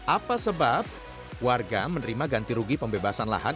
apa sebab warga menerima ganti rugi pembebasan lahan